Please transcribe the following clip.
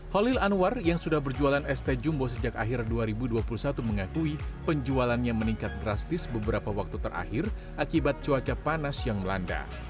holil anwar yang sudah berjualan este jumbo sejak akhir dua ribu dua puluh satu mengakui penjualannya meningkat drastis beberapa waktu terakhir akibat cuaca panas yang melanda